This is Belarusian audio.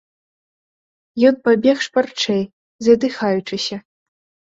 Ён пабег шпарчэй, задыхаючыся.